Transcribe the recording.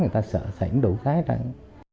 người ta sợ sảy đủ khái trắng